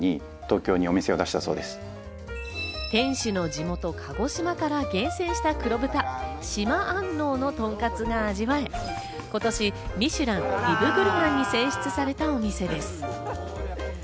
店主の地元・鹿児島から厳選した黒豚・島安納のとんかつが味わえ、今年『ミシュラン』ビブグルマンに選出されたお店です。